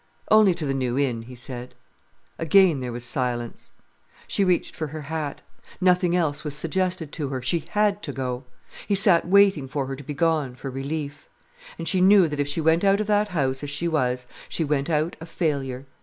"Only to the New Inn," he said. Again there was silence. She reached for her hat. Nothing else was suggested to her. She had to go. He sat waiting for her to be gone, for relief. And she knew that if she went out of that house as she was, she went out a failure.